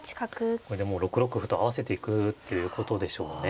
これでもう６六歩と合わせていくっていうことでしょうね。